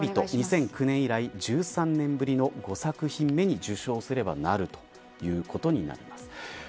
こちらは、おくりびと２００９年以来、１３年ぶりの５作品目に受賞すればなるということになります。